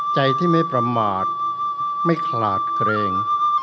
ใจที่ไม่ประมาทไม่ขลาดเกรง